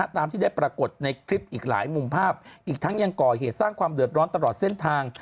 ตามที่ได้ปรากฏในคลิปอีกหลายมุมภาพอีกทั้งยังก่อเหตุสร้างความเดือดร้อนตลอดเส้นทาง